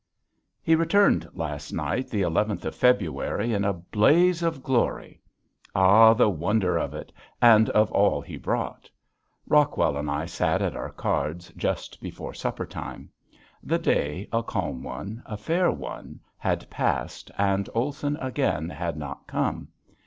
He returned last night, the eleventh of February, in a blaze of glory! Ah, the wonder of it and of all he brought. Rockwell and I sat at our cards just before supper time. The day, a calm one, a fair one, had passed and Olson again had not come.